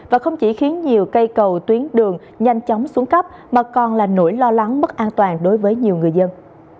và không chỉ khiến nhiều cây cầu tuyến đường nhanh chóng xuống cấp mà còn là nỗi lo lắng mất an toàn đối với nhiều người dân